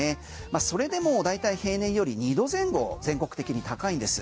それでも大体平年より２度前後全国的に高いんです。